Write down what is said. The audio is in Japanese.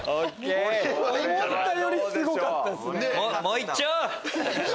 思ったよりすごかったっすね。